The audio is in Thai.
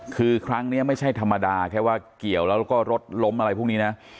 คือครั้งนี้ไม่ใช่ธรรมดาแค่ว่าเกี่ยวแล้วก็รถล้มอะไรพวกนี้นะ